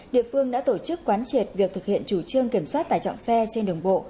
địa phương đã tổ chức quán triệt việc thực hiện chủ trương kiểm soát tải trọng xe trên đường bộ